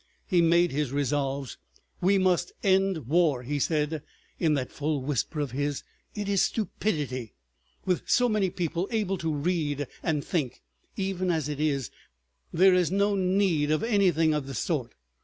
He made his resolves. "We must end war," he said, in that full whisper of his; "it is stupidity. With so many people able to read and think—even as it is—there is no need of anything of the sort.